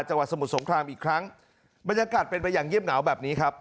สมุทรสงครามอีกครั้งบรรยากาศเป็นไปอย่างเงียบเหงาแบบนี้ครับ